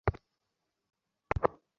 আমরা এখানে মূল্যবান সময় নষ্ট করছি!